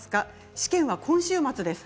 試験は今週末です。